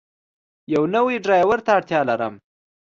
یو نوی ډرایور ته اړتیا لرم.